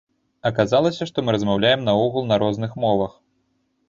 Аказалася, што мы размаўляем наогул на розных мовах.